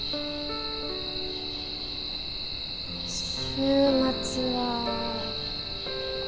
週末は。